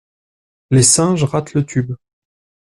Les singes ratent le tube.